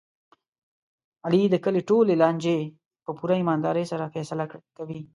علي د کلي ټولې لانجې په پوره ایماندارۍ سره فیصله کوي.